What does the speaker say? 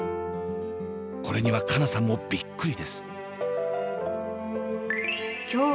これには佳奈さんもビックリです。